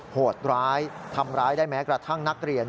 โหดร้ายทำร้ายได้แม้กระทั่งนักเรียน